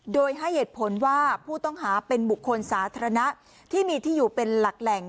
โดยให้เหตุผลว่าผู้ต้องหาเป็นบุคคลสาธารณะที่มีที่อยู่เป็นหลักแหล่ง